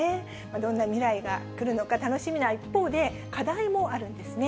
どんな未来が来るのか楽しみな一方で、課題もあるんですね。